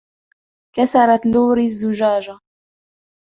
كسرت لوري الزجاج.